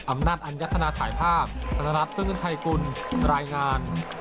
อำนาจอัญธนาถ่ายภาพธนรัฐซึ่งเงินไทยกุลรายงาน